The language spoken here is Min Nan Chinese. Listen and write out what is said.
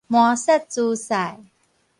麻薩諸塞